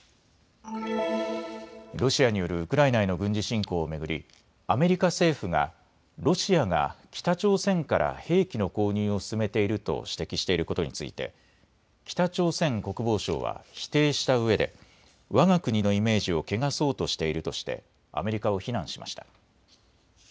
ロシアによるウクライナへの軍事侵攻を巡りアメリカ政府がロシアが北朝鮮から兵器の購入を進めていると指摘していることについて北朝鮮国防省は否定したうえでわが国のイメージを汚そうとしているとしてアメリカを非難しました。